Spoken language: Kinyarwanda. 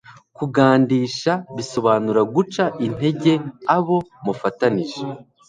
Kugandisha bisobanura guca integer abo amufatantije